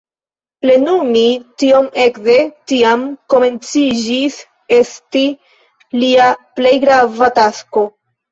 Plenumi tion ekde tiam komenciĝis esti lia plej grava tasko.